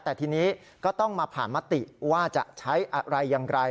แต่ทีนี้ก็ต้องมาผ่านมติว่าจะใช้อะไรอย่างไร